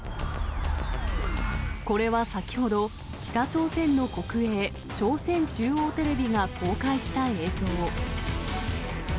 これは先ほど、北朝鮮の国営朝鮮中央テレビが公開した映像。